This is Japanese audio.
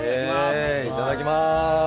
いただきます。